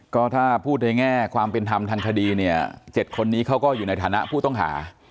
ก็ถ้าพูดในแง่ความเป็นธรรมทางคดีเนี่ย๗คนนี้เขาก็อยู่ในฐานะผู้ต้องหา